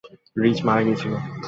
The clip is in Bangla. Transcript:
রিজ মারা গিয়েছিলো।